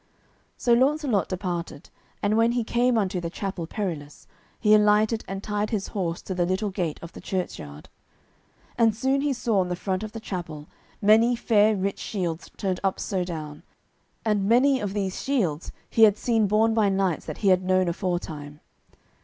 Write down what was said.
So Launcelot departed, and when he came unto the Chapel Perilous, he alighted and tied his horse to the little gate of the churchyard. And soon he saw on the front of the chapel many fair rich shields turned up so down, and many of these shields he had seen borne by knights that he had known aforetime.